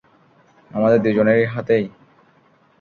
আমাদের দুইজনের হাতেই?